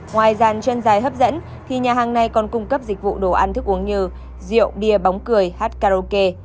ngoài dàn chân dài hấp dẫn thì nhà hàng này còn cung cấp dịch vụ đồ ăn thức uống như rượu bia bóng cười hát karaoke